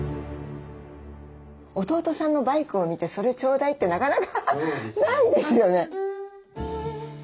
弟さんのバイクを見て「それちょうだい」ってなかなかないですよね。